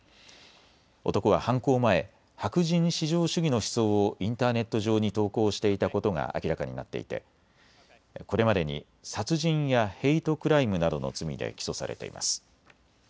男は犯行前、白人至上主義の思想をインターネット上に投稿していたことが明らかになっていてこれまでに殺人やヘイトクライムなどの罪で起訴されています。